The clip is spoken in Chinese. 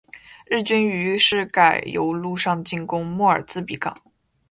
日军于是改由陆上进攻莫尔兹比港。